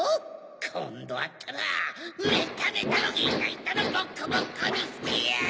こんどあったらメッタメタのギッタギタのボッコボコにしてやる！